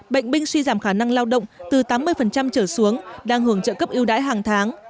bệnh binh suy giảm khả năng lao động từ tám mươi trở xuống đang hưởng trợ cấp yêu đãi hàng tháng